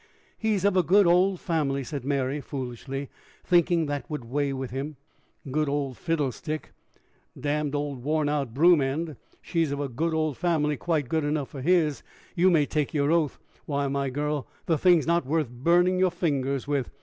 "He's of a good old family!" said Mary, foolishly, thinking that would weigh with him. "Good old fiddlestick! Damned old worn out broom end! She's of a good old family quite good enough for his, you may take your oath! Why, my girl! the thing's not worth burning your fingers with.